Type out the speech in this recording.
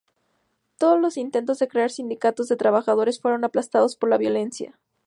Todos los intentos de crear sindicatos de trabajadores fueron aplastados por la violencia.